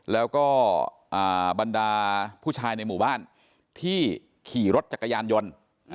แล้วก็บรรดาผู้ชายในหมู่บ้านที่ขี่รถจักรยานยนต์